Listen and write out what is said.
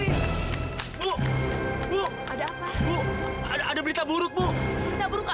ibu ayah tak boleh mati bu